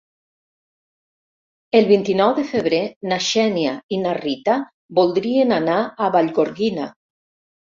El vint-i-nou de febrer na Xènia i na Rita voldrien anar a Vallgorguina.